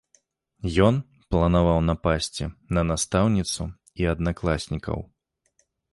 Ён планаваў напасці на настаўніцу і аднакласнікаў.